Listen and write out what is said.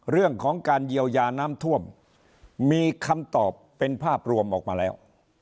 เรื่องของการเยียวยาน้ำท่วมมีคำตอบเป็นภาพรวมออกมาแล้ว